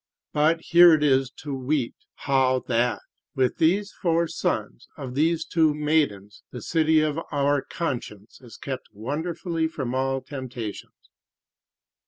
But here it is to wete how that, with these four sons of these two maidens, the city of our conscience is kept wonderfully from all temptations.